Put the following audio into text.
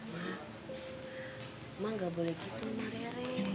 mak mak gak boleh gitu mak rere